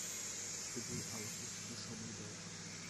শুধু আমাকে একটু সময় দাও।